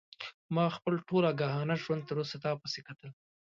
ما خپل ټول آګاهانه ژوند تر اوسه تا پسې کتل.